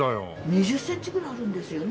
２０センチぐらいあるんですよね。